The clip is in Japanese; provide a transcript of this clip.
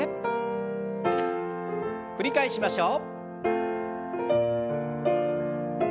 繰り返しましょう。